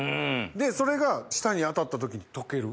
でそれが舌に当たった時に溶ける。